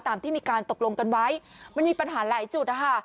ตามที่มีการตกลงกันไว้มันมีปัญหาหลายจุดนะคะ